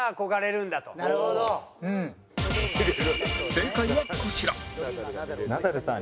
正解はこちら